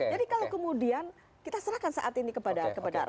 jadi kalau kemudian kita serahkan saat ini kepada rakyat